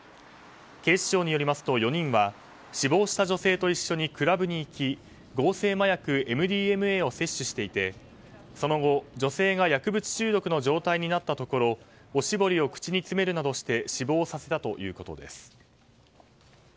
警視庁によりますと４人は死亡した女性と一緒にクラブに行き合成麻薬ＭＤＭＡを摂取していてその後、女性が薬物中毒の状態になったところおしぼりを口に詰めるなどして死亡させたということです。